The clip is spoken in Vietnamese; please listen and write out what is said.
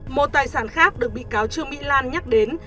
một tài sản khác được bị cáo trương mỹ lan nhắc đến